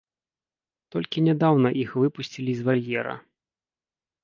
Толькі нядаўна іх выпусцілі з вальера.